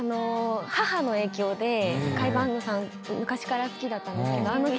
母の影響で甲斐バンドさん昔から好きだったんですけどあの。